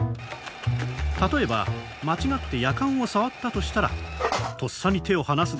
例えば間違ってやかんを触ったとしたらとっさに手を離すでしょう？